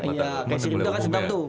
iya kayak siripnya kan senam tuh